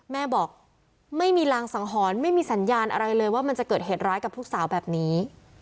แม่บอกไม่มีรางสังหรณ์ไม่มีสัญญาณอะไรเลยว่ามันจะเกิดเหตุร้ายกับลูกสาวแบบนี้